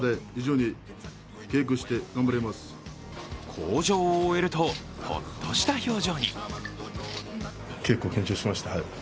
口上を終えるとホッとした表情に。